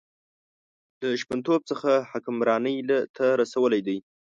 له شپونتوب څخه حکمرانۍ ته رسولی دی.